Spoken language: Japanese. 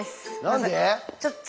何で？